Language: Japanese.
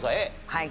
はい。